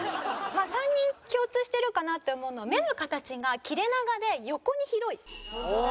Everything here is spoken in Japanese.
まあ３人共通してるかなって思うのは目の形が切れ長で横に広い。